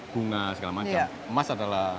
bunga segala macam emas adalah